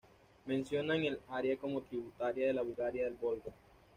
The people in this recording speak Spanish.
Mencionan el área como tributaria de la Bulgaria del Volga.